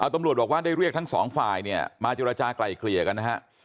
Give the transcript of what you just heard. ตำรวจบอกว่าได้เรียกทั้ง๒ฝ่ายมาเจรจากลายเคลียร์กันนะฮะ